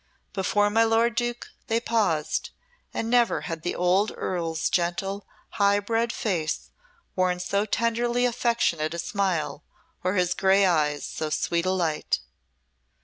Before my lord Duke they paused, and never had the old Earl's gentle, high bred face worn so tenderly affectionate a smile, or his grey eyes so sweet a light.